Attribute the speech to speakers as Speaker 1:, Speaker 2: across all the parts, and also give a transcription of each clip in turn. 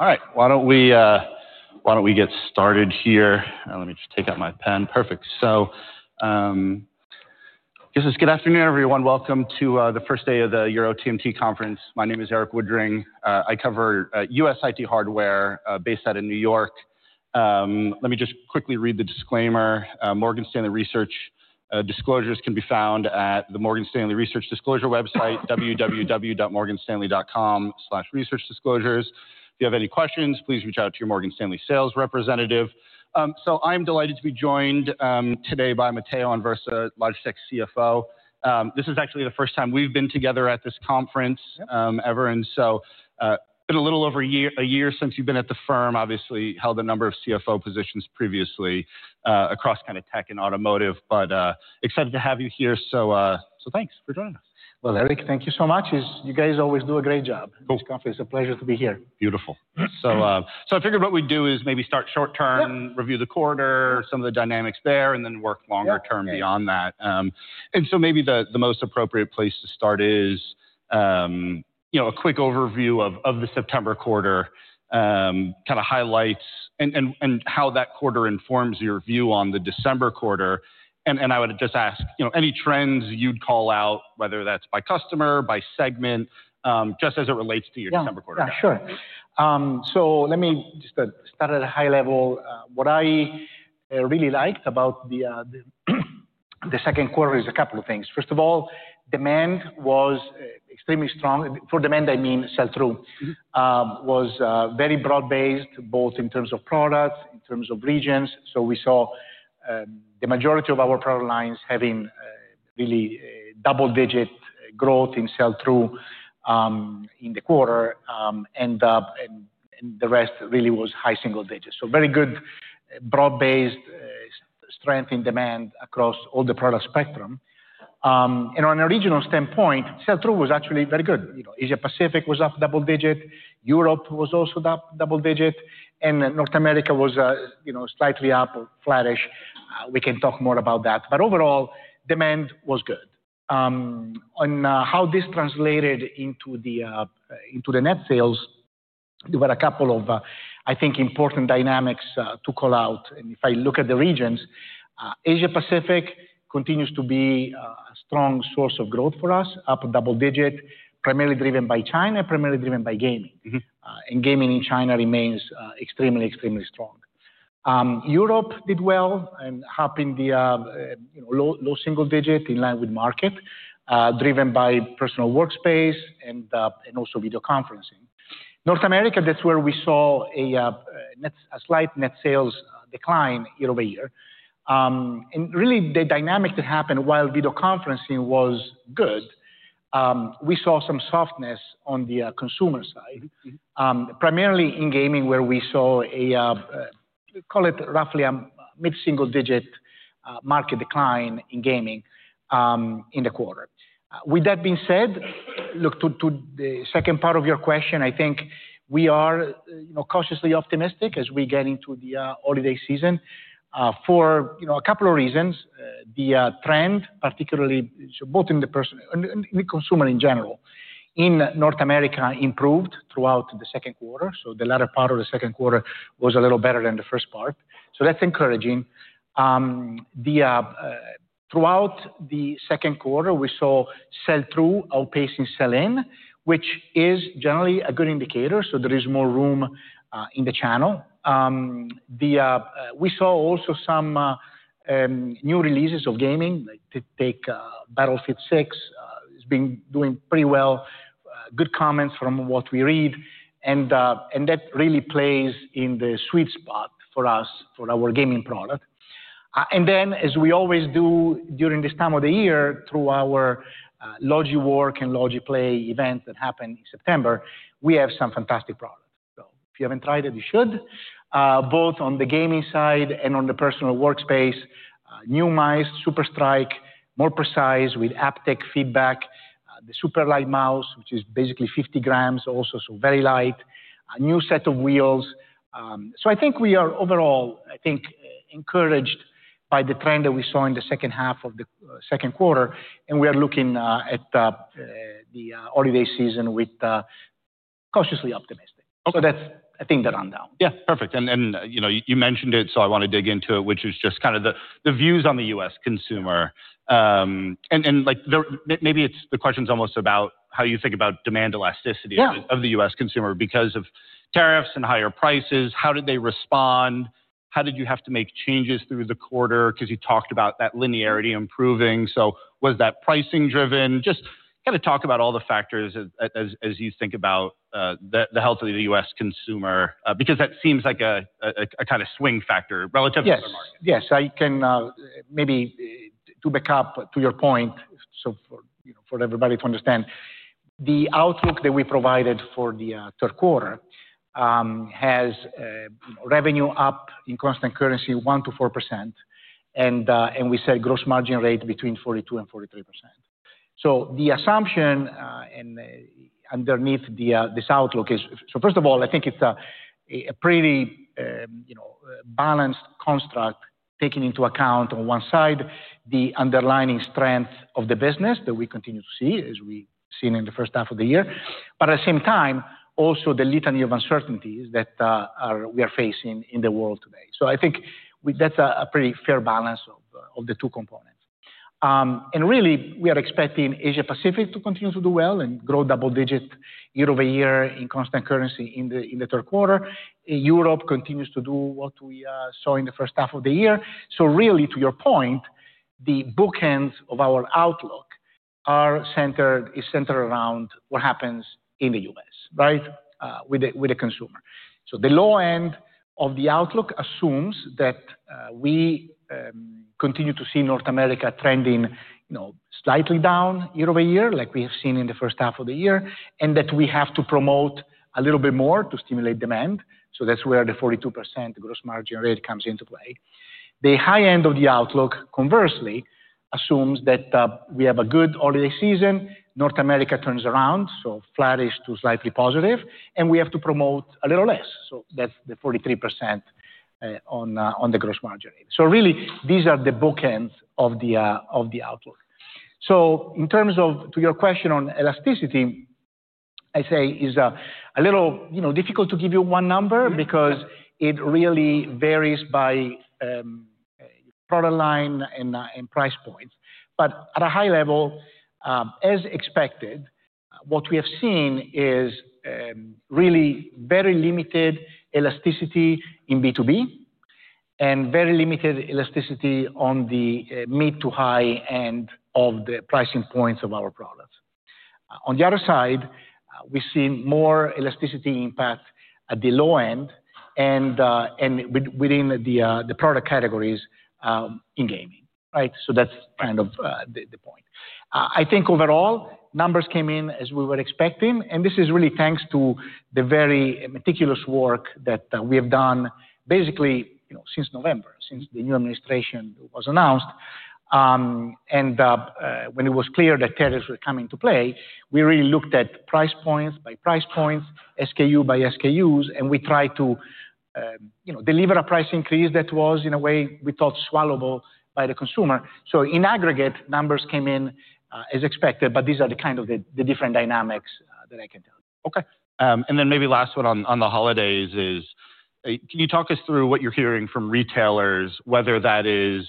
Speaker 1: All right. Why don't we get started here? Let me just take out my pen. Perfect. Just good afternoon, everyone. Welcome to the first day of the Euro TMT Conference. My name is Eric Wedering. I cover US IT hardware, based out of New York. Let me just quickly read the disclaimer. Morgan Stanley Research disclosures can be found at the Morgan Stanley Research Disclosure website, www.morganstanley.com/researchdisclosures. If you have any questions, please reach out to your Morgan Stanley sales representative. I am delighted to be joined today by Matteo Anversa, Logitech CFO. This is actually the first time we've been together at this conference, ever. It has been a little over a year since you've been at the firm, obviously held a number of CFO positions previously, across kind of tech and automotive, but excited to have you here. So, thanks for joining us.
Speaker 2: Eric, thank you so much. You guys always do a great job.
Speaker 1: Cool.
Speaker 2: This conference is a pleasure to be here.
Speaker 1: Beautiful. I figured what we'd do is maybe start short term, review the quarter, some of the dynamics there, and then work longer term beyond that. Maybe the most appropriate place to start is, you know, a quick overview of the September quarter, kind of highlights and how that quarter informs your view on the December quarter. I would just ask, you know, any trends you'd call out, whether that's by customer, by segment, just as it relates to your December quarter.
Speaker 2: Yeah, sure. Let me just start at a high level. What I really liked about the second quarter is a couple of things. First of all, demand was extremely strong. For demand, I mean sell-through was very broad-based, both in terms of products, in terms of regions. We saw the majority of our product lines having really double-digit growth in sell-through in the quarter, and the rest really was high single digits. Very good, broad-based strength in demand across all the product spectrum. On an original standpoint, sell-through was actually very good. You know, Asia-Pacific was up double digit. Europe was also double digit. North America was, you know, slightly up, flattish. We can talk more about that. Overall, demand was good. On how this translated into the net sales, there were a couple of, I think, important dynamics to call out. If I look at the regions, Asia-Pacific continues to be a strong source of growth for us, up double digit, primarily driven by China, primarily driven by gaming.
Speaker 1: Mm-hmm.
Speaker 2: Gaming in China remains extremely, extremely strong. Europe did well and hopping the, you know, low, low single digit in line with market, driven by personal workspace and, and also video conferencing. North America, that's where we saw a slight net sales decline year over year. Really the dynamic that happened, while video conferencing was good, we saw some softness on the consumer side, primarily in gaming where we saw a, call it roughly a mid-single digit market decline in gaming in the quarter. With that being said, look, to the second part of your question, I think we are, you know, cautiously optimistic as we get into the holiday season, for, you know, a couple of reasons. The trend, particularly both in the person and, and consumer in general, in North America improved throughout the second quarter. The latter part of the second quarter was a little better than the first part. That is encouraging. Throughout the second quarter, we saw sell-through outpacing sell-in, which is generally a good indicator. There is more room in the channel. We saw also some new releases of gaming to take, Battlefield 6 has been doing pretty well, good comments from what we read. That really plays in the sweet spot for us, for our gaming product. As we always do during this time of the year, through our LogiWork and LogiPlay event that happened in September, we have some fantastic products. If you have not tried it, you should. both on the gaming side and on the personal workspace, new mice, SuperStrike, more precise with haptic feedback, the Superlight mouse, which is basically 50 grams also, so very light, a new set of wheels. I think we are overall, I think, encouraged by the trend that we saw in the second half of the second quarter. We are looking at the holiday season with, cautiously optimistic.
Speaker 1: Okay.
Speaker 2: I think that's the rundown.
Speaker 1: Yeah. Perfect. You mentioned it, so I want to dig into it, which is just kind of the views on the U.S. consumer. You know, maybe the question's almost about how you think about demand elasticity of the U.S. consumer because of tariffs and higher prices. How did they respond? How did you have to make changes through the quarter? 'Cause you talked about that linearity improving. Was that pricing driven? Just talk about all the factors as you think about the health of the U.S. consumer, because that seems like a kind of swing factor relative to other markets.
Speaker 2: Yes. Yes. I can, maybe to back up to your point, so for, you know, for everybody to understand, the outlook that we provided for the third quarter has revenue up in constant currency 1-4%. And we said gross margin rate between 42-43%. The assumption underneath this outlook is, first of all, I think it is a pretty, you know, balanced construct taking into account on one side the underlying strength of the business that we continue to see as we have seen in the first half of the year, but at the same time, also the litany of uncertainties that we are facing in the world today. I think that is a pretty fair balance of the two components. and really we are expecting Asia-Pacific to continue to do well and grow double digit year over year in constant currency in the, in the third quarter. Europe continues to do what we saw in the first half of the year. Really, to your point, the bookends of our outlook are centered around what happens in the U.S., right, with the consumer. The low end of the outlook assumes that we continue to see North America trending, you know, slightly down year over year, like we have seen in the first half of the year, and that we have to promote a little bit more to stimulate demand. That is where the 42% gross margin rate comes into play. The high end of the outlook, conversely, assumes that we have a good holiday season, North America turns around, so flattish to slightly positive, and we have to promote a little less. That is the 43% on the gross margin rate. Really, these are the bookends of the outlook. In terms of your question on elasticity, I say it is a little, you know, difficult to give you one number because it really varies by product line and price points. At a high level, as expected, what we have seen is really very limited elasticity in B2B and very limited elasticity on the mid to high end of the pricing points of our products. On the other side, we have seen more elasticity impact at the low end and within the product categories in gaming, right? That's kind of the point. I think overall numbers came in as we were expecting. This is really thanks to the very meticulous work that we have done basically, you know, since November, since the new administration was announced. When it was clear that tariffs were coming to play, we really looked at price points by price points, SKU by SKU, and we tried to, you know, deliver a price increase that was, in a way, we thought, swallowable by the consumer. In aggregate, numbers came in as expected, but these are kind of the different dynamics that I can tell you.
Speaker 1: Okay. And then maybe last one on the holidays is, can you talk us through what you're hearing from retailers, whether that is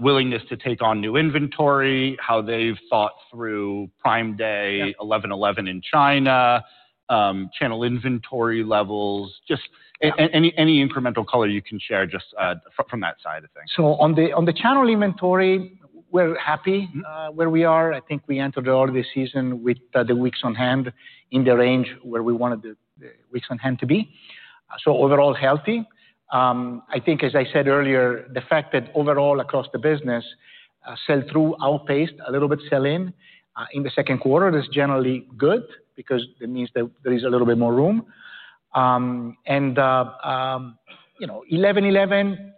Speaker 1: willingness to take on new inventory, how they've thought through Prime Day, 11/11 in China, channel inventory levels, just any incremental color you can share just from that side of things.
Speaker 2: On the channel inventory, we're happy where we are. I think we entered the holiday season with the weeks on hand in the range where we wanted the weeks on hand to be. Overall, healthy. I think, as I said earlier, the fact that overall across the business, sell-through outpaced a little bit sell-in in the second quarter, that's generally good because that means that there is a little bit more room. You know, 11/11,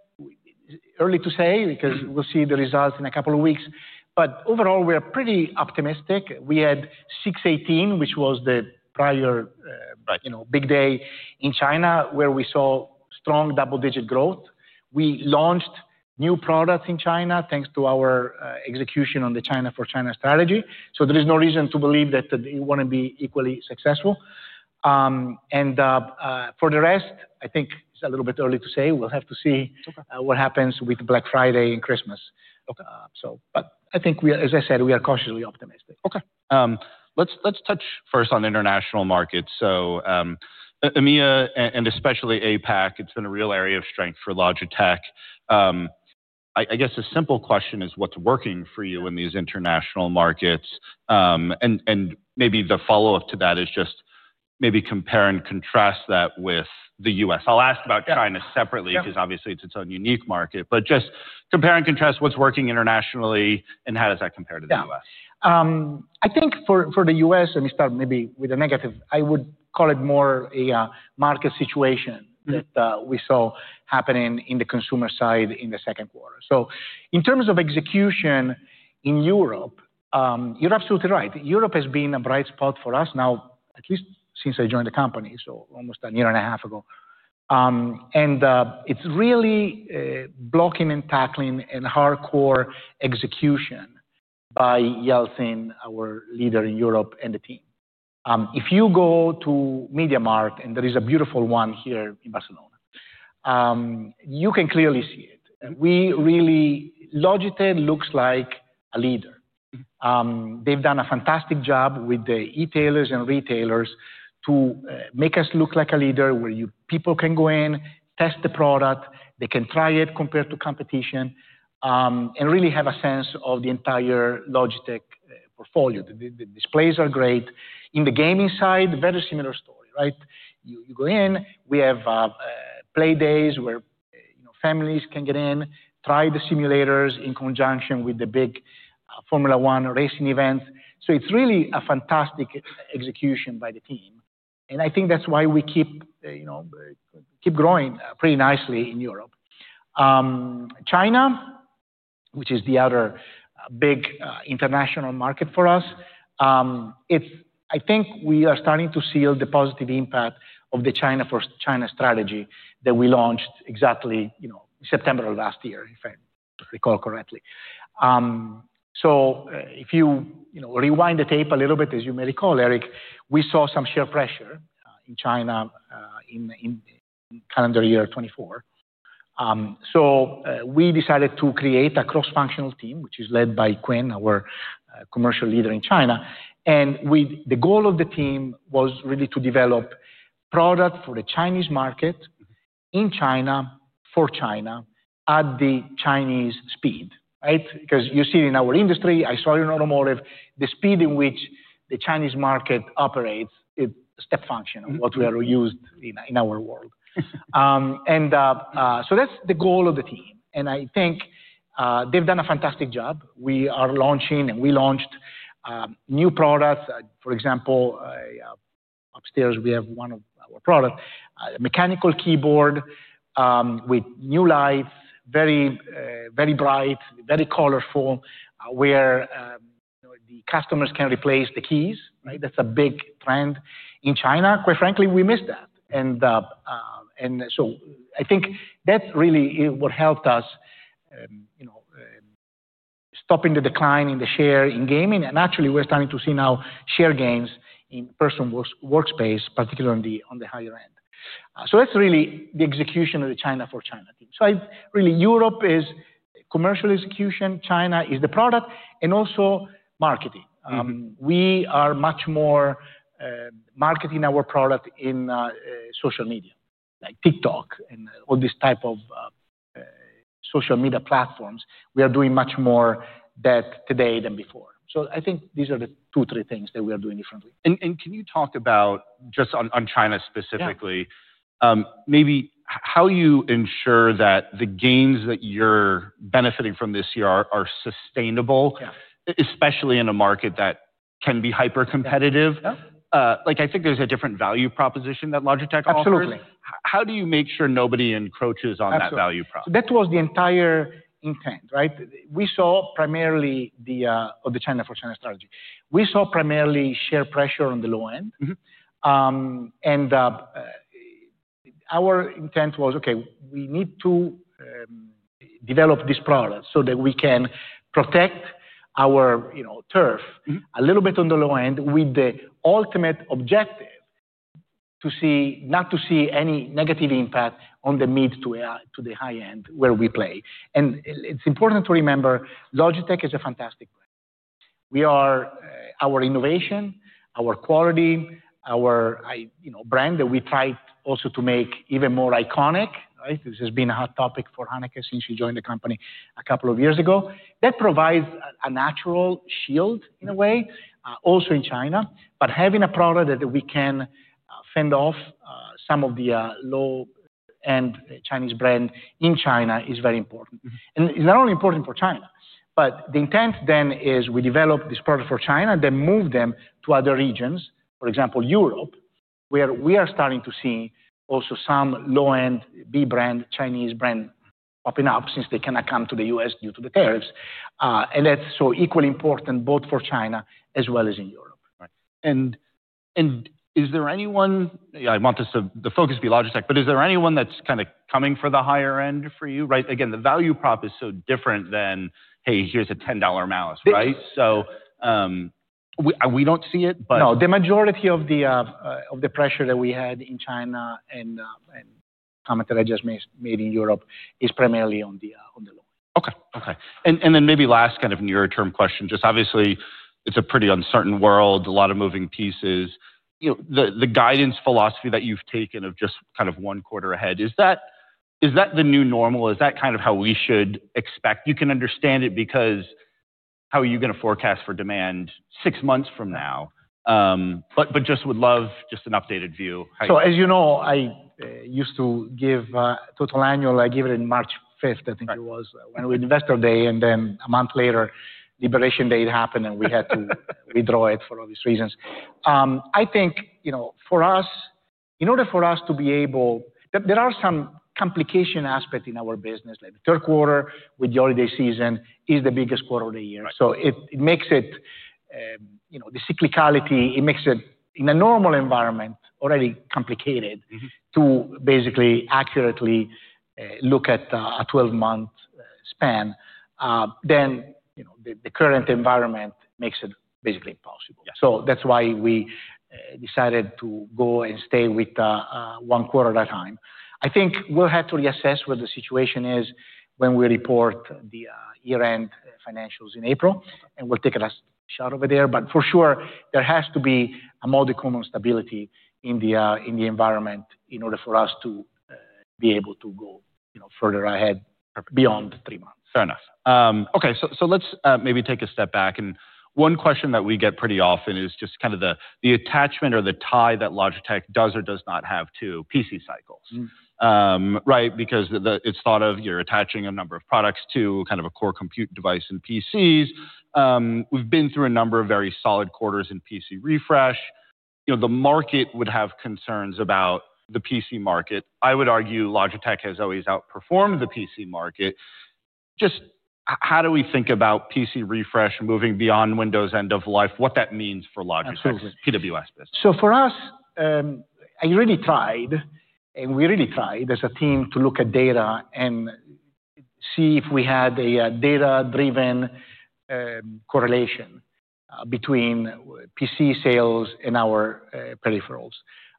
Speaker 2: early to say because we'll see the results in a couple of weeks. Overall, we are pretty optimistic. We had 6/18, which was the prior big day in China where we saw strong double-digit growth. We launched new products in China thanks to our execution on the China for China strategy. There is no reason to believe that it won't be equally successful. and, for the rest, I think it's a little bit early to say. We'll have to see what happens with Black Friday and Christmas.
Speaker 1: Okay.
Speaker 2: I think we, as I said, we are cautiously optimistic.
Speaker 1: Okay. Let's, let's touch first on international markets. So, EMEA and, and especially APAC, it's been a real area of strength for Logitech. I guess a simple question is what's working for you in these international markets? And maybe the follow-up to that is just maybe compare and contrast that with the U.S. I'll ask about China separately because obviously it's its own unique market, but just compare and contrast what's working internationally and how does that compare to the U.S.?
Speaker 2: Yeah. I think for the U.S., and we start maybe with a negative, I would call it more a market situation that we saw happening in the consumer side in the second quarter. In terms of execution in Europe, you're absolutely right. Europe has been a bright spot for us now, at least since I joined the company, so almost a year and a half ago. It's really blocking and tackling and hardcore execution by Yelcin, our leader in Europe, and the team. If you go to MediaMarkt, and there is a beautiful one here in Barcelona, you can clearly see it. We really, Logitech looks like a leader. They've done a fantastic job with the e-tailers and retailers to make us look like a leader where people can go in, test the product, they can try it compared to competition, and really have a sense of the entire Logitech portfolio. The displays are great. In the gaming side, very similar story, right? You go in, we have play days where, you know, families can get in, try the simulators in conjunction with the big Formula One racing events. It is really a fantastic execution by the team. I think that's why we keep, you know, keep growing pretty nicely in Europe. China, which is the other big international market for us, I think we are starting to see the positive impact of the China for China strategy that we launched exactly, you know, in September of last year, if I recall correctly. If you, you know, rewind the tape a little bit, as you may recall, Eric, we saw some share pressure in China in calendar year 2024. We decided to create a cross-functional team, which is led by Quinn, our commercial leader in China. The goal of the team was really to develop product for the Chinese market in China for China at the Chinese speed, right? Because you see in our industry, I saw in automotive, the speed in which the Chinese market operates, it's a step function of what we are used in our world. That's the goal of the team. I think they've done a fantastic job. We are launching and we launched new products. For example, upstairs we have one of our products, a mechanical keyboard, with new lights, very, very bright, very colorful, where, you know, the customers can replace the keys, right? That's a big trend in China. Quite frankly, we missed that. I think that really is what helped us, you know, stopping the decline in the share in gaming. Actually we're starting to see now share gains in person workspace, particularly on the higher end. That is really the execution of the China for China team. I really, Europe is commercial execution, China is the product, and also marketing. We are much more, marketing our product in social media, like TikTok and all this type of social media platforms. We are doing much more that today than before. I think these are the two, three things that we are doing differently.
Speaker 1: Can you talk about just on China specifically, maybe how you ensure that the gains that you're benefiting from this year are sustainable, especially in a market that can be hyper-competitive? Like I think there's a different value proposition that Logitech offers.
Speaker 2: Absolutely.
Speaker 1: How do you make sure nobody encroaches on that value proposition?
Speaker 2: That was the entire intent, right? We saw primarily the, of the China for China strategy. We saw primarily share pressure on the low end, and our intent was, okay, we need to develop this product so that we can protect our, you know, turf a little bit on the low end with the ultimate objective to see, not to see any negative impact on the mid to, to the high end where we play. It is important to remember Logitech is a fantastic brand. We are, our innovation, our quality, our, I, you know, brand that we tried also to make even more iconic, right? This has been a hot topic for Hanneke since she joined the company a couple of years ago. That provides a natural shield in a way, also in China, but having a product that we can fend off some of the low end Chinese brand in China is very important. It is not only important for China, but the intent then is we develop this product for China, then move them to other regions, for example, Europe, where we are starting to see also some low end B brand, Chinese brand popping up since they cannot come to the U.S. due to the tariffs. That is equally important both for China as well as in Europe.
Speaker 1: Right. Is there anyone, I want this to, the focus be Logitech, but is there anyone that's kind of coming for the higher end for you? Right? Again, the value prop is so different than, hey, here's a $10 mouse, right? We don't see it, but.
Speaker 2: No, the majority of the pressure that we had in China and the comment that I just made in Europe is primarily on the low end.
Speaker 1: Okay. And then maybe last kind of near-term question, just obviously it's a pretty uncertain world, a lot of moving pieces, you know, the guidance philosophy that you've taken of just kind of one quarter ahead, is that, is that the new normal? Is that kind of how we should expect? You can understand it because how are you gonna forecast for demand six months from now? but just would love just an updated view.
Speaker 2: As you know, I used to give total annual, I gave it on March 5th, I think it was, when we had investor day, and then a month later, liberation day happened and we had to withdraw it for all these reasons. I think, you know, for us, in order for us to be able, there are some complication aspects in our business, like the third quarter with the holiday season is the biggest quarter of the year. It makes it, you know, the cyclicality, it makes it in a normal environment already complicated to basically accurately look at a 12-month span. Then, you know, the current environment makes it basically impossible. That is why we decided to go and stay with one quarter at a time. I think we'll have to reassess what the situation is when we report the year-end financials in April, and we'll take a last shot over there. For sure, there has to be a modicum of stability in the environment in order for us to be able to go, you know, further ahead beyond three months.
Speaker 1: Fair enough. Okay. Let's maybe take a step back. One question that we get pretty often is just kind of the attachment or the tie that Logitech does or does not have to PC cycles, right? Because it is thought of, you're attaching a number of products to kind of a core compute device and PCs. We've been through a number of very solid quarters in PC refresh. You know, the market would have concerns about the PC market. I would argue Logitech has always outperformed the PC market. Just how do we think about PC refresh moving beyond Windows end of life, what that means for Logitech's PWS business?
Speaker 2: For us, I really tried, and we really tried as a team to look at data and see if we had a data-driven correlation between PC sales and our peripherals.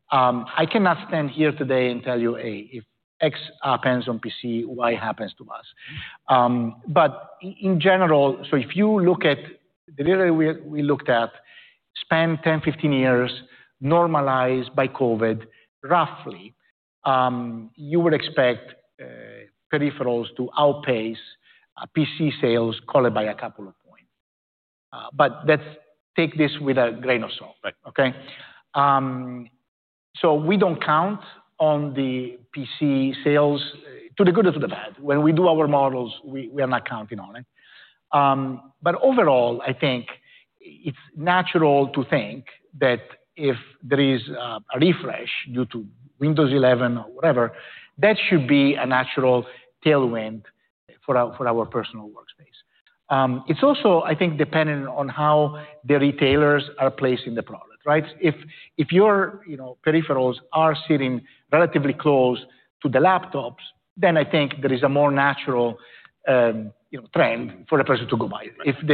Speaker 2: I cannot stand here today and tell you, hey, if X happens on PC, Y happens to us. In general, if you look at the data we looked at, spend 10-15 years, normalize by COVID, roughly, you would expect peripherals to outpace PC sales by a couple of points. Take this with a grain of salt, right? We do not count on the PC sales to the good or to the bad. When we do our models, we are not counting on it. But overall, I think it's natural to think that if there is a refresh due to Windows 11 or whatever, that should be a natural tailwind for our personal workspace. It's also, I think, dependent on how the retailers are placing the product, right? If your, you know, peripherals are sitting relatively close to the laptops, then I think there is a more natural, you know, trend for a person to go buy it. If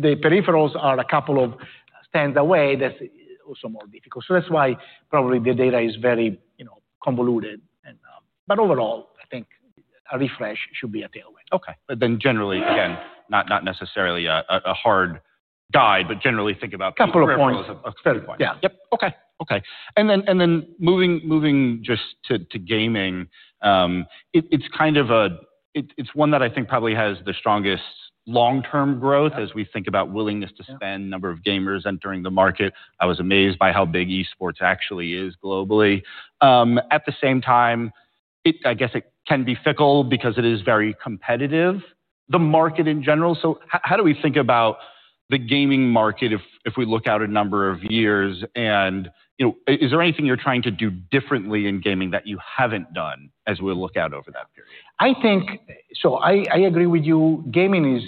Speaker 2: the peripherals are a couple of stands away, that's also more difficult. That's why probably the data is very, you know, convoluted. Overall, I think a refresh should be a tailwind.
Speaker 1: Okay. Generally, again, not necessarily a hard guide, but generally think about peripherals.
Speaker 2: Couple of points.
Speaker 1: A couple of points.
Speaker 2: Yeah.
Speaker 1: Yep. Okay. And then moving just to gaming, it's kind of a, it's one that I think probably has the strongest long-term growth as we think about willingness to spend, number of gamers entering the market. I was amazed by how big esports actually is globally. At the same time, I guess it can be fickle because it is very competitive, the market in general. How do we think about the gaming market if we look out a number of years and, you know, is there anything you're trying to do differently in gaming that you haven't done as we look out over that period?
Speaker 2: I think, I agree with you. Gaming is,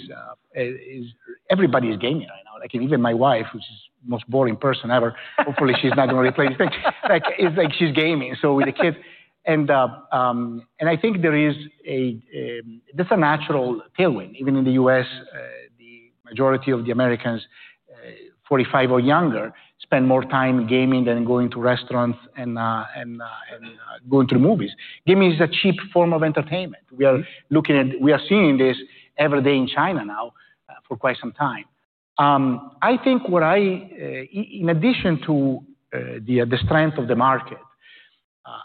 Speaker 2: is everybody's gaming right now. Like, even my wife, who's the most boring person ever, hopefully she's not gonna replace me. Like, it's like she's gaming. With the kids and, and I think there is a, that's a natural tailwind. Even in the U.S., the majority of the Americans, 45 or younger, spend more time gaming than going to restaurants and, and, and, going to movies. Gaming is a cheap form of entertainment. We are looking at, we are seeing this every day in China now, for quite some time. I think what I, in addition to the strength of the market,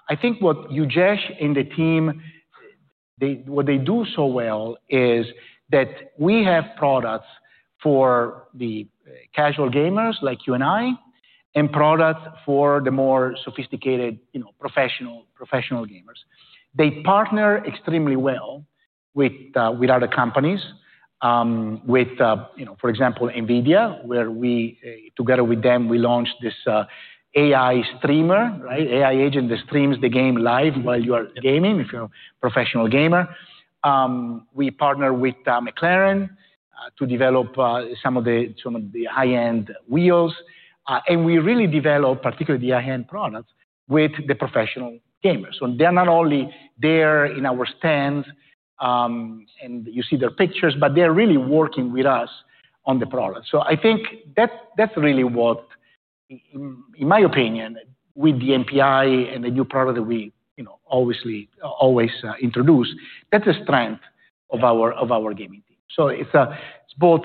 Speaker 2: I think what Ujesh and the team, what they do so well is that we have products for the casual gamers like you and I, and products for the more sophisticated, you know, professional gamers. They partner extremely well with other companies, with, you know, for example, Nvidia, where we, together with them, we launched this AI Streamer, right? AI agent that streams the game live while you are gaming, if you're a professional gamer. We partner with McLaren to develop some of the high-end wheels. We really develop particularly the high-end products with the professional gamers. They are not only there in our stands, and you see their pictures, but they are really working with us on the product. I think that, that's really what, in my opinion, with the MPI and the new product that we, you know, obviously always introduce, that's a strength of our gaming team. It's both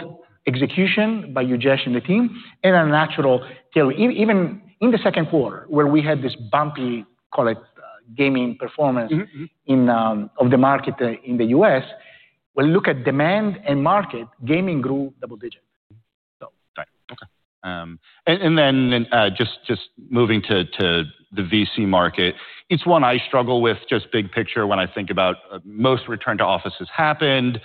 Speaker 2: execution by Ujesh and the team and a natural tailwind. Even in the second quarter, where we had this bumpy, call it, gaming performance in the market in the U.S., when we look at demand and market, gaming grew double digit.
Speaker 1: Right. Okay. And then, just moving to the VC market, it's one I struggle with just big picture when I think about, most return to offices happened.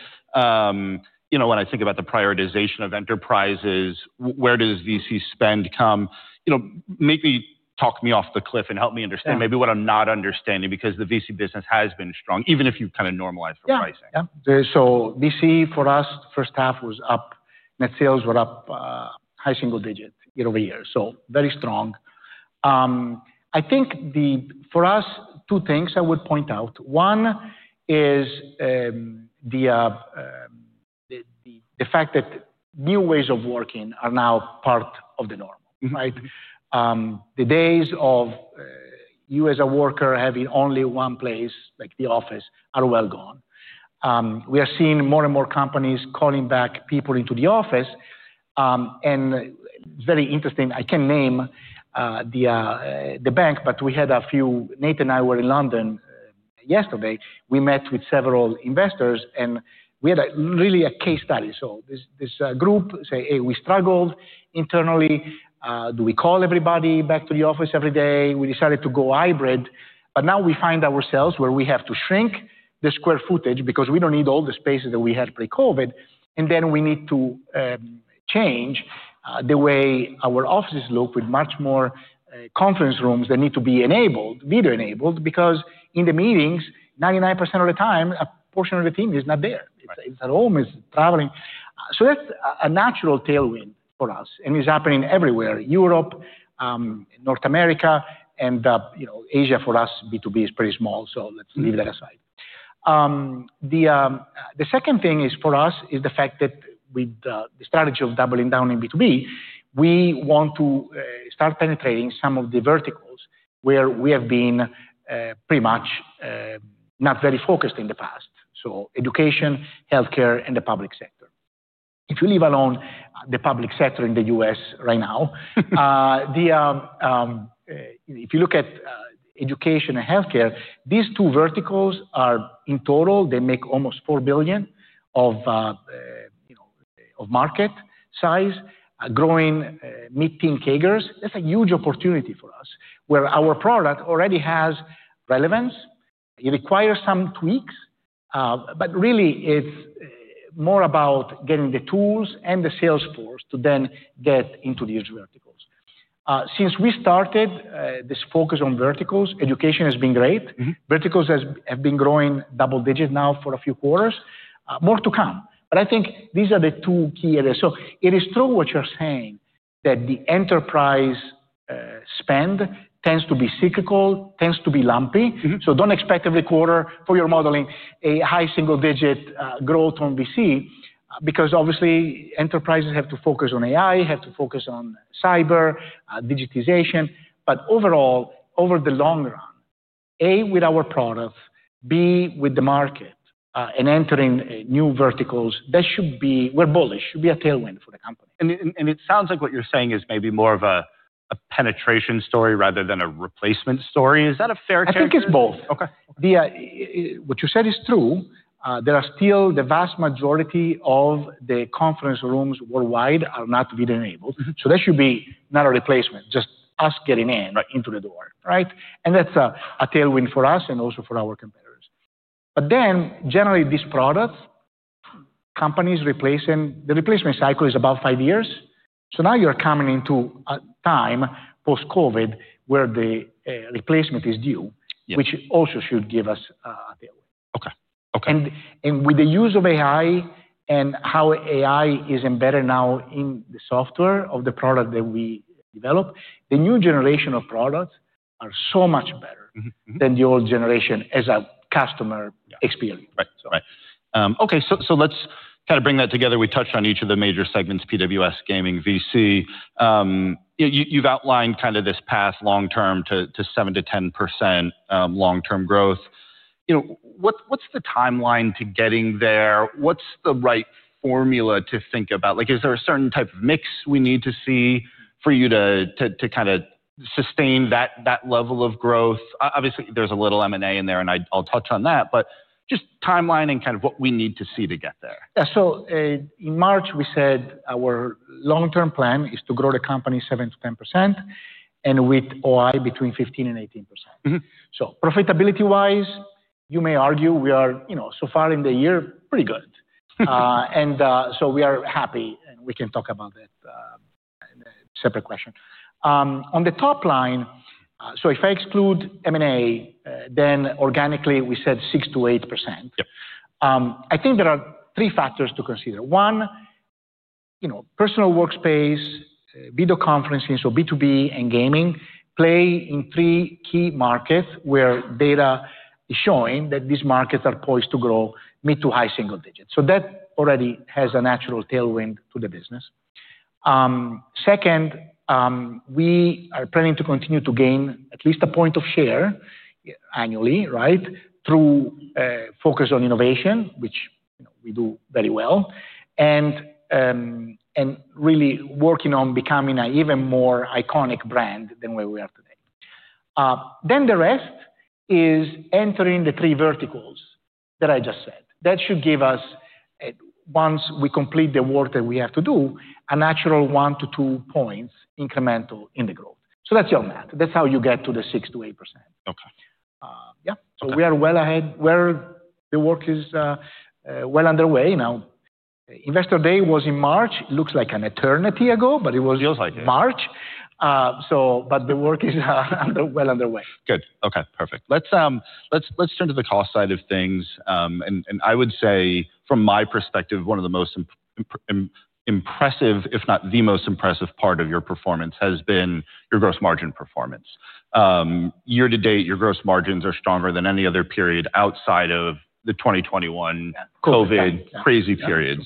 Speaker 1: You know, when I think about the prioritization of enterprises, where does VC spend come? You know, make me, talk me off the cliff and help me understand maybe what I'm not understanding because the VC business has been strong, even if you've kind of normalized the pricing.
Speaker 2: Yeah. Yeah. So VC for us, first half was up, net sales were up, high single digit year over year. So very strong. I think, for us, two things I would point out. One is, the fact that new ways of working are now part of the normal, right? The days of you as a worker having only one place, like the office, are well gone. We are seeing more and more companies calling back people into the office. It is very interesting. I cannot name the bank, but we had a few, Nate and I were in London yesterday. We met with several investors and we had really a case study. So this group said, hey, we struggled internally. Do we call everybody back to the office every day? We decided to go hybrid, but now we find ourselves where we have to shrink the square footage because we do not need all the spaces that we had pre-COVID. We need to change the way our offices look with much more conference rooms that need to be enabled, video enabled, because in the meetings, 99% of the time, a portion of the team is not there. It is at home, it is traveling. That is a natural tailwind for us and it is happening everywhere, Europe, North America, and, you know, Asia. For us, B2B is pretty small, so let us leave that aside. The second thing for us is the fact that with the strategy of doubling down in B2B, we want to start penetrating some of the verticals where we have been pretty much not very focused in the past. Education, healthcare, and the public sector. If you leave alone the public sector in the U.S. right now, if you look at education and healthcare, these two verticals are in total, they make almost $4 billion of, you know, of market size, growing, meeting cagers. That's a huge opportunity for us where our product already has relevance. It requires some tweaks, but really it's more about getting the tools and the sales force to then get into these verticals. Since we started this focus on verticals, education has been great. Verticals have been growing double digit now for a few quarters, more to come. I think these are the two key areas. It is true what you're saying that the enterprise spend tends to be cyclical, tends to be lumpy. Do not expect every quarter for your modeling a high single digit growth on VC, because obviously enterprises have to focus on AI, have to focus on cyber, digitization. Overall, over the long run, A, with our products, B, with the market, and entering new verticals, that should be, we're bullish, should be a tailwind for the company.
Speaker 1: It sounds like what you're saying is maybe more of a penetration story rather than a replacement story. Is that a fair take?
Speaker 2: I think it's both.
Speaker 1: Okay.
Speaker 2: What you said is true. There are still the vast majority of the conference rooms worldwide are not video enabled. That should be not a replacement, just us getting in, right, into the door, right? That is a tailwind for us and also for our competitors. Generally these products, companies replacing, the replacement cycle is about five years. Now you are coming into a time post-COVID where the replacement is due, which also should give us a tailwind.
Speaker 1: Okay. Okay.
Speaker 2: With the use of AI and how AI is embedded now in the software of the product that we develop, the new generation of products are so much better than the old generation as a customer experience.
Speaker 1: Right. Okay. Let's kind of bring that together. We touched on each of the major segments, PWS, gaming, VC. You've outlined kind of this path long term to 7-10% long-term growth. You know, what's the timeline to getting there? What's the right formula to think about? Like, is there a certain type of mix we need to see for you to kind of sustain that level of growth? Obviously there's a little M&A in there and I'll touch on that, but just timeline and kind of what we need to see to get there.
Speaker 2: Yeah. In March, we said our long-term plan is to grow the company 7-10% and with OI between 15-18%. Profitability-wise, you may argue we are, you know, so far in the year, pretty good. And, so we are happy and we can talk about that, separate question. On the top line, if I exclude M&A, then organically we said 6-8%.
Speaker 1: Yep.
Speaker 2: I think there are three factors to consider. One, you know, personal workspace, video conferencing, so B2B and gaming play in three key markets where data is showing that these markets are poised to grow mid to high single digits. That already has a natural tailwind to the business. Second, we are planning to continue to gain at least a point of share annually, right, through focus on innovation, which we do very well, and really working on becoming an even more iconic brand than where we are today. Then the rest is entering the three verticals that I just said. That should give us, once we complete the work that we have to do, a natural one to two points incremental in the growth. That is your math. That is how you get to the 6-8%.
Speaker 1: Okay.
Speaker 2: Yeah. We are well ahead. The work is well underway now. Investor Day was in March. It looks like an eternity ago, but it was.
Speaker 1: Feels like it.
Speaker 2: March. The work is well underway.
Speaker 1: Good. Okay. Perfect. Let's turn to the cost side of things, and I would say from my perspective, one of the most impressive, if not the most impressive part of your performance has been your gross margin performance. Year to date, your gross margins are stronger than any other period outside of the 2021 COVID crazy period.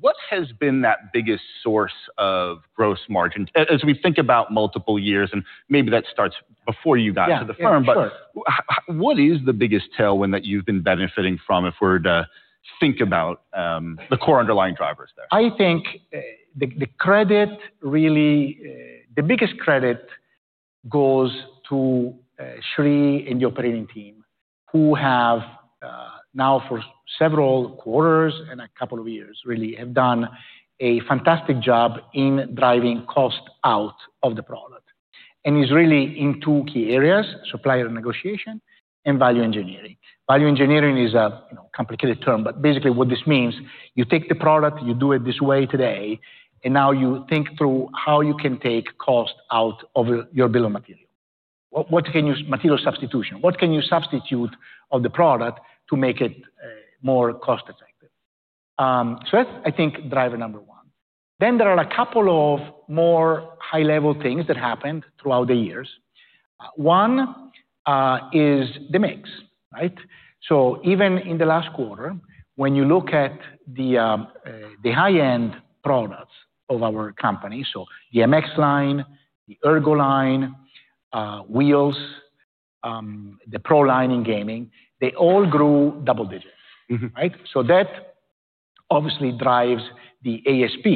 Speaker 1: What has been that biggest source of gross margin as we think about multiple years? Maybe that starts before you got to the firm, but what is the biggest tailwind that you've been benefiting from if we're to think about the core underlying drivers there?
Speaker 2: I think the credit really, the biggest credit goes to Sri and the operating team who have now for several quarters and a couple of years really have done a fantastic job in driving cost out of the product. It is really in two key areas, supplier negotiation and value engineering. Value engineering is a, you know, complicated term, but basically what this means, you take the product, you do it this way today, and now you think through how you can take cost out of your bill of material. What can you material substitution? What can you substitute of the product to make it more cost effective? That is, I think, driver number one. Then there are a couple of more high-level things that happened throughout the years. One is the mix, right? Even in the last quarter, when you look at the high-end products of our company, so the MX line, the Ergo line, wheels, the Pro line in gaming, they all grew double digits, right? That obviously drives the ASP,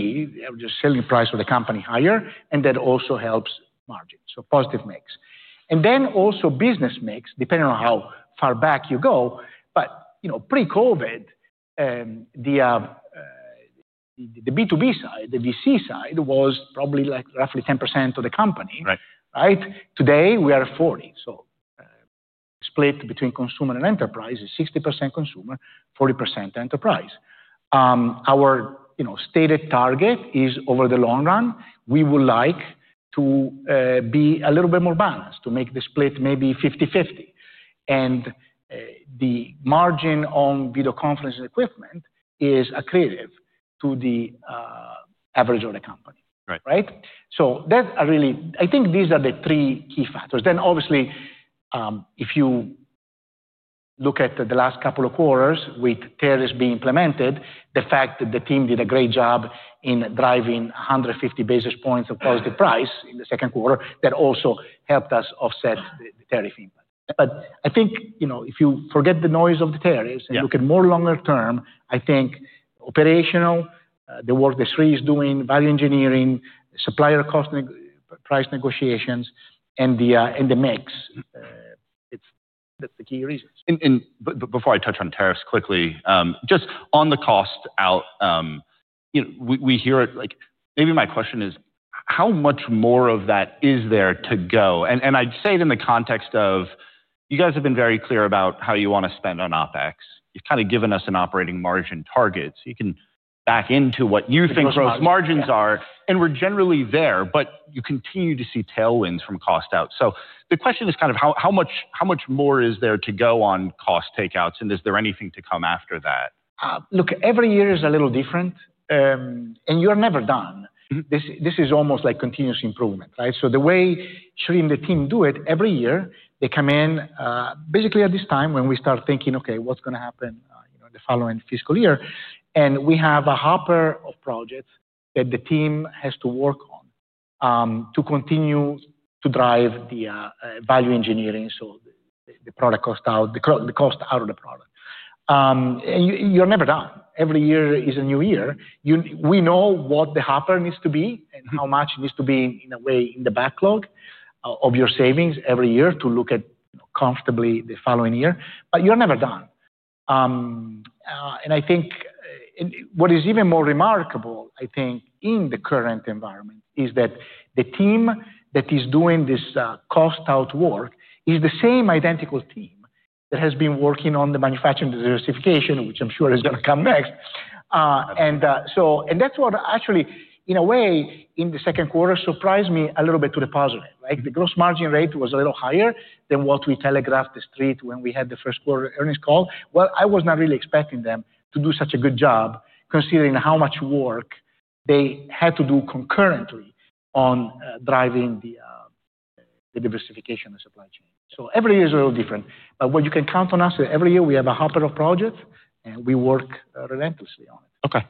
Speaker 2: just selling price for the company higher, and that also helps margin. Positive mix. And then also business mix, depending on how far back you go, but, you know, pre-COVID, the B2B side, the VC side was probably like roughly 10% of the company.
Speaker 1: Right.
Speaker 2: Right? Today we are 40. So, split between consumer and enterprise is 60% consumer, 40% enterprise. Our, you know, stated target is over the long run, we would like to, be a little bit more balanced to make the split maybe 50/50. And, the margin on video conferencing equipment is accredited to the, average of the company.
Speaker 1: Right.
Speaker 2: Right? I really, I think these are the three key factors. Obviously, if you look at the last couple of quarters with tariffs being implemented, the fact that the team did a great job in driving 150 basis points of positive price in the second quarter, that also helped us offset the tariff impact. I think, you know, if you forget the noise of the tariffs and look at more longer term, I think operational, the work that Sri is doing, value engineering, supplier cost price negotiations, and the mix, that's the key reasons.
Speaker 1: Before I touch on tariffs quickly, just on the cost out, you know, we hear it, like maybe my question is how much more of that is there to go? I'd say it in the context of you guys have been very clear about how you wanna spend on OpEx. You've kind of given us an operating margin target. You can back into what you think gross margins are, and we're generally there, but you continue to see tailwinds from cost out. The question is kind of how much more is there to go on cost takeouts and is there anything to come after that?
Speaker 2: Look, every year is a little different, and you are never done. This is almost like continuous improvement, right? The way Sri and the team do it, every year they come in, basically at this time when we start thinking, okay, what's gonna happen, you know, the following fiscal year. We have a hopper of projects that the team has to work on to continue to drive the value engineering, so the product cost out, the cost out of the product. You are never done. Every year is a new year. We know what the hopper needs to be and how much needs to be in a way in the backlog of your savings every year to look at comfortably the following year, but you are never done. I think what is even more remarkable, I think in the current environment, is that the team that is doing this cost out work is the same identical team that has been working on the manufacturing diversification, which I am sure is gonna come next. That is what actually, in a way, in the second quarter surprised me a little bit to the positive, right? The gross margin rate was a little higher than what we telegraphed the street when we had the first quarter earnings call. I was not really expecting them to do such a good job considering how much work they had to do concurrently on driving the diversification of supply chain. Every year is a little different, but what you can count on is, every year we have a hopper of projects and we work relentlessly on it.
Speaker 1: Okay.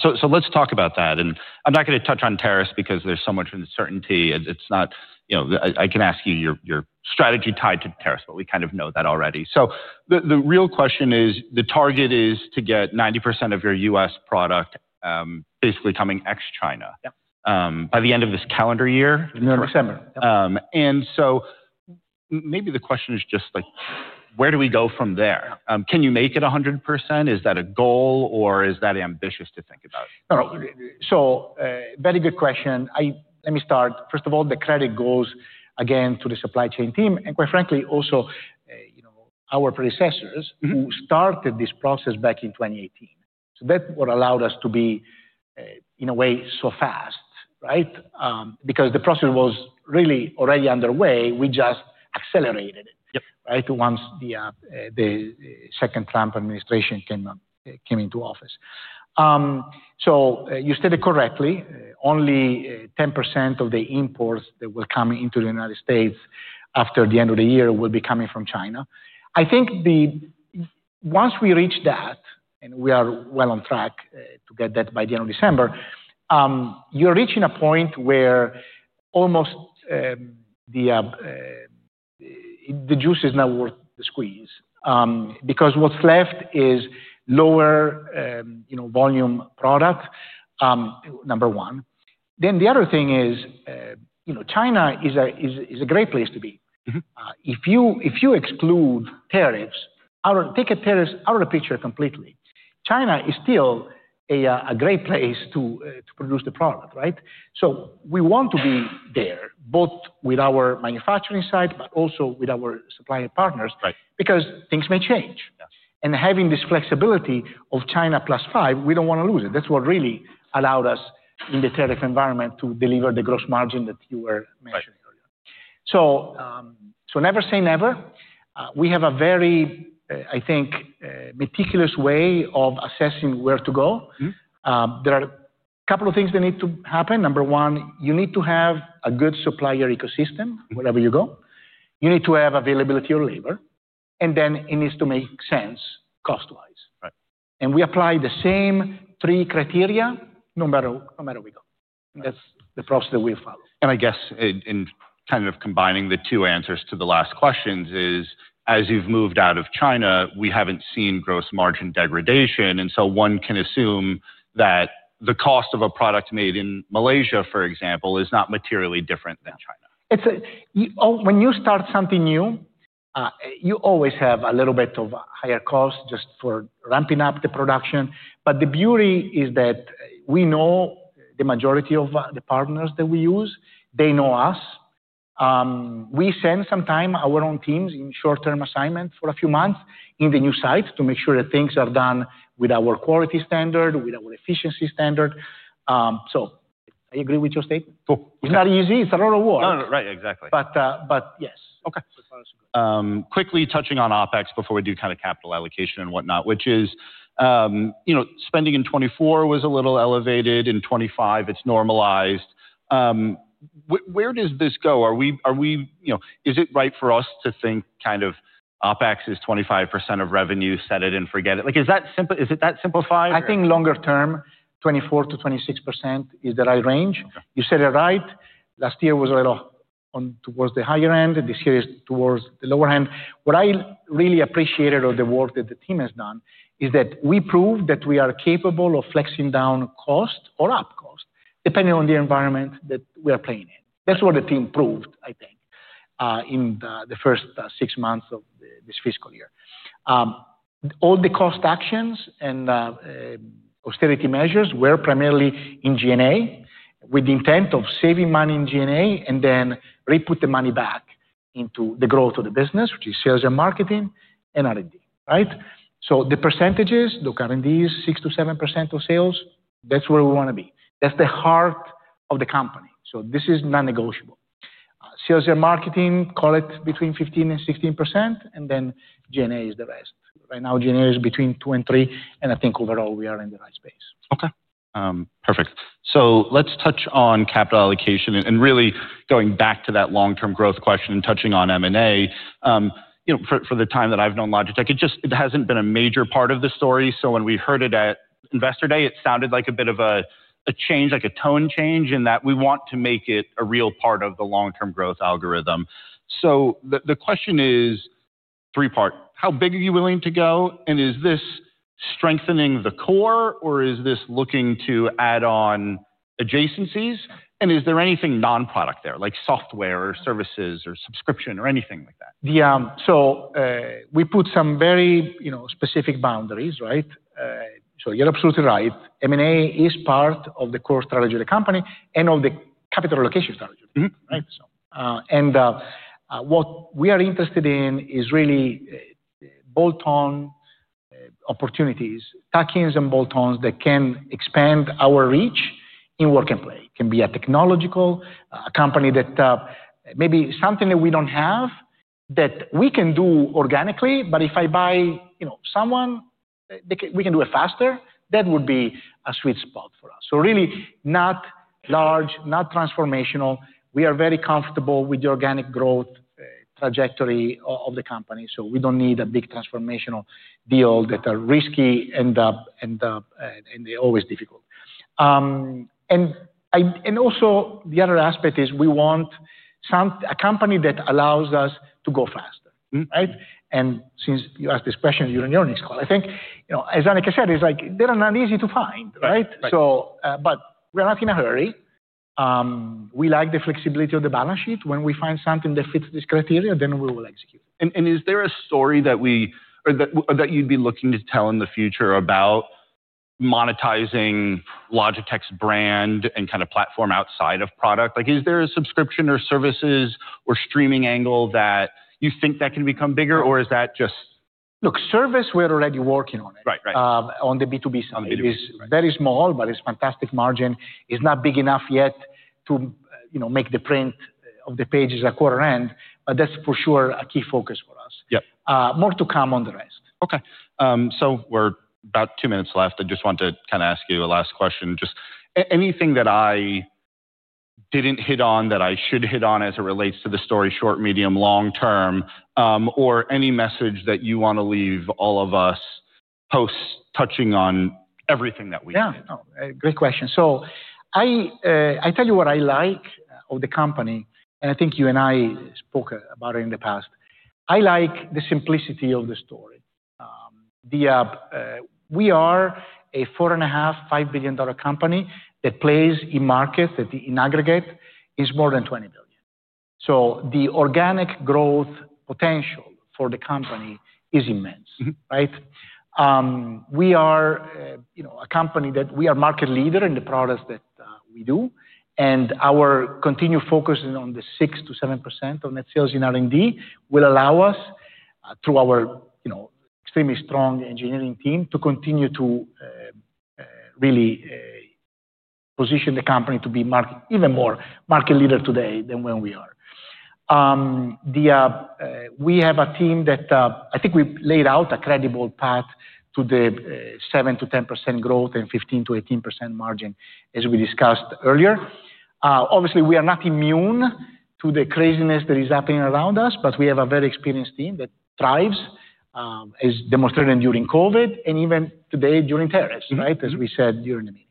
Speaker 1: So, so let's talk about that. I'm not gonna touch on tariffs because there's so much uncertainty. It's not, you know, I, I can ask you your, your strategy tied to tariffs, but we kind of know that already. The real question is the target is to get 90% of your U.S. product basically coming ex-China.
Speaker 2: Yep.
Speaker 1: by the end of this calendar year.
Speaker 2: November, December.
Speaker 1: and so maybe the question is just like, where do we go from there? Can you make it 100%? Is that a goal or is that ambitious to think about?
Speaker 2: No. Very good question. I, let me start. First of all, the credit goes again to the supply chain team. And quite frankly, also, you know, our predecessors who started this process back in 2018. That is what allowed us to be, in a way, so fast, right? Because the process was really already underway. We just accelerated it.
Speaker 1: Yep.
Speaker 2: Right? Once the second Trump administration came into office. You stated correctly, only 10% of the imports that will come into the United States after the end of the year will be coming from China. I think once we reach that and we are well on track to get that by the end of December, you're reaching a point where almost the juice is now worth the squeeze. Because what's left is lower, you know, volume product, number one. The other thing is, you know, China is a great place to be. If you exclude tariffs, take tariffs out of the picture completely, China is still a great place to produce the product, right? We want to be there both with our manufacturing side, but also with our supplier partners.
Speaker 1: Right.
Speaker 2: Because things may change. Having this flexibility of China plus five, we don't wanna lose it. That's what really allowed us in the tariff environment to deliver the gross margin that you were mentioning earlier.
Speaker 1: Right.
Speaker 2: Never say never. We have a very, I think, meticulous way of assessing where to go. There are a couple of things that need to happen. Number one, you need to have a good supplier ecosystem wherever you go. You need to have availability of labor, and then it needs to make sense cost-wise.
Speaker 1: Right.
Speaker 2: We apply the same three criteria no matter where we go. That's the process that we follow.
Speaker 1: I guess in, in kind of combining the two answers to the last questions, as you've moved out of China, we haven't seen gross margin degradation. One can assume that the cost of a product made in Malaysia, for example, is not materially different than China.
Speaker 2: It's a, you, when you start something new, you always have a little bit of higher cost just for ramping up the production. The beauty is that we know the majority of the partners that we use, they know us. We send sometimes our own teams in short-term assignment for a few months in the new site to make sure that things are done with our quality standard, with our efficiency standard. I agree with your statement.
Speaker 1: Cool.
Speaker 2: It's not easy. It's a lot of work.
Speaker 1: No, no, right. Exactly.
Speaker 2: Yes.
Speaker 1: Okay. Quickly touching on Opex before we do kind of capital allocation and whatnot, which is, you know, spending in 2024 was a little elevated. In 2025, it's normalized. Where, where does this go? Are we, are we, you know, is it right for us to think kind of Opex is 25% of revenue, set it and forget it? Like, is that simple? Is it that simplified?
Speaker 2: I think longer term, 24-26% is the right range.
Speaker 1: Okay.
Speaker 2: You said it right. Last year was a little on towards the higher end. This year is towards the lower end. What I really appreciated of the work that the team has done is that we proved that we are capable of flexing down cost or up cost depending on the environment that we are playing in. That is what the team proved, I think, in the first six months of this fiscal year. All the cost actions and austerity measures were primarily in G&A with the intent of saving money in G&A and then re-put the money back into the growth of the business, which is sales and marketing and R&D, right? The percentages, look, R&D is 6-7% of sales. That is where we want to be. That is the heart of the company. This is non-negotiable. sales and marketing call it between 15-16%, and then G&A is the rest. Right now, G&A is between 2 and 3, and I think overall we are in the right space.
Speaker 1: Okay. Perfect. Let's touch on capital allocation and really going back to that long-term growth question and touching on M&A. You know, for the time that I've known Logitech, it just hasn't been a major part of the story. When we heard it at Investor Day, it sounded like a bit of a change, like a tone change in that we want to make it a real part of the long-term growth algorithm. The question is three-part. How big are you willing to go? Is this strengthening the core or is this looking to add on adjacencies? Is there anything non-product there, like software or services or subscription or anything like that?
Speaker 2: We put some very, you know, specific boundaries, right? So you're absolutely right. M&A is part of the core strategy of the company and of the capital allocation strategy.
Speaker 1: Mm-hmm.
Speaker 2: Right? What we are interested in is really bolt-on opportunities, tuck-ins and bolt-ons that can expand our reach in work and play. It can be a technological, a company that, maybe something that we do not have that we can do organically, but if I buy, you know, someone, they can, we can do it faster. That would be a sweet spot for us. Really not large, not transformational. We are very comfortable with the organic growth trajectory of the company. We do not need a big transformational deal that are risky and they are always difficult. I, and also the other aspect is we want some, a company that allows us to go faster, right? Since you asked this question, you are in your next call, I think, you know, as Hanneke said, it is like they are not easy to find, right?
Speaker 1: Right.
Speaker 2: We are not in a hurry. We like the flexibility of the balance sheet. When we find something that fits this criteria, then we will execute it.
Speaker 1: Is there a story that we, or that, or that you'd be looking to tell in the future about monetizing Logitech's brand and kind of platform outside of product? Like, is there a subscription or services or streaming angle that you think that can become bigger, or is that just?
Speaker 2: Look, service, we're already working on it.
Speaker 1: Right, right.
Speaker 2: on the B2B side.
Speaker 1: On the B2B side.
Speaker 2: It is very small, but it's fantastic margin. It's not big enough yet to, you know, make the print of the pages at quarter end, but that's for sure a key focus for us.
Speaker 1: Yep.
Speaker 2: More to come on the rest.
Speaker 1: Okay. So we're about two minutes left. I just want to kind of ask you a last question. Just anything that I didn't hit on that I should hit on as it relates to the story, short, medium, long-term, or any message that you wanna leave all of us post touching on everything that we did?
Speaker 2: Yeah. No, great question. I tell you what I like of the company, and I think you and I spoke about it in the past. I like the simplicity of the story. We are a $4.5-$5 billion company that plays in markets that in aggregate is more than $20 billion. The organic growth potential for the company is immense, right? We are a company that we are market leader in the products that we do. Our continued focus on the 6-7% of net sales in R&D will allow us, through our extremely strong engineering team, to continue to really position the company to be even more market leader today than when we are. We have a team that, I think we've laid out a credible path to the 7-10% growth and 15-18% margin as we discussed earlier. Obviously we are not immune to the craziness that is happening around us, but we have a very experienced team that thrives, as demonstrated during COVID and even today during tariffs, right?
Speaker 1: Mm-hmm.
Speaker 2: As we said during the meeting,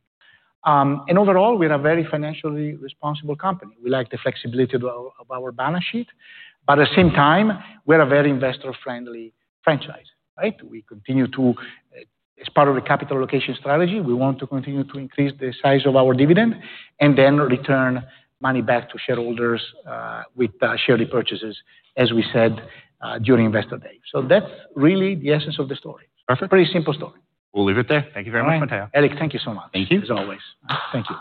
Speaker 2: overall we are a very financially responsible company. We like the flexibility of our balance sheet, but at the same time we are a very investor-friendly franchise, right? We continue to, as part of the capital allocation strategy, we want to continue to increase the size of our dividend and then return money back to shareholders with share repurchases as we said during Investor Day. That is really the essence of the story.
Speaker 1: Perfect.
Speaker 2: Pretty simple story.
Speaker 1: We'll leave it there. Thank you very much, Matteo.
Speaker 2: All right, Eric, thank you so much.
Speaker 1: Thank you.
Speaker 2: As always.
Speaker 1: Thank you.